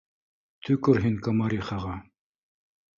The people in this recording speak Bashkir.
— Төкөр һин Комарихаға